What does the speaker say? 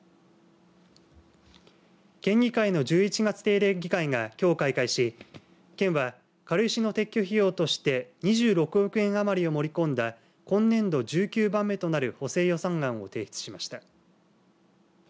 県議会の１１月定例議会がきょう開会し県は、軽石の撤去費用として２６億円余りを盛り込んだ今年度１９番目となる補正予算案を提出しました。